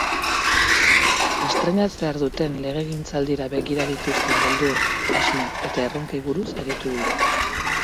Estreinatzear duten legegintzaldira begira dituzten beldur, asmo eta erronkei buruz aritu dira.